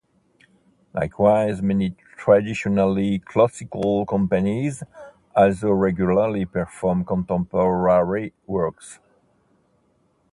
Likewise, many traditionally "classical" companies also regularly perform contemporary works.